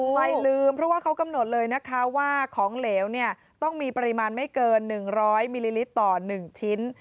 ไม่ลืมเพราะว่าเขากำหนดเลยนะคะว่าของเหลวเนี่ยต้องมีปริมาณไม่เกิน๑๐๐มิลลิลิตรต่อ๑ชิ้น